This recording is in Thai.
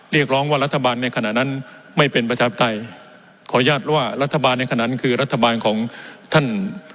เรียกร้องว่ารัฐบาลในขณะนั้นไม่เป็นประชาปไตยขออนุญาตว่ารัฐบาลในขณะนั้นคือรัฐบาลของท่าน